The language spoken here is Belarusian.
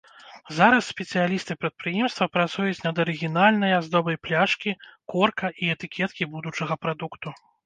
Зараз спецыялісты прадпрыемства працуюць над арыгінальнай аздобай пляшкі, корка і этыкеткі будучага прадукту.